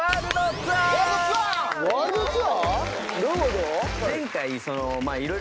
どういうこと？